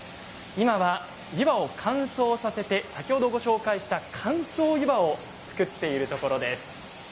今は湯葉を乾燥させて先ほど、ご紹介した乾燥湯葉を作っているところです。